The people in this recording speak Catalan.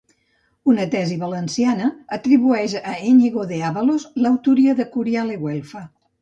Una tesi valenciana atribueix a Enyego d'Àvalos l'autoria de Curial e Güelfa.